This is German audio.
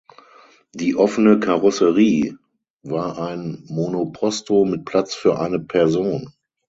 Die offene Karosserie war ein Monoposto mit Platz für eine Person.